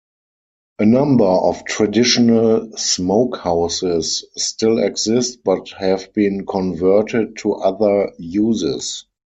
A number of traditional smokehouses still exist but have been converted to other uses.